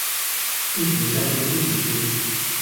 一直贊助一直吃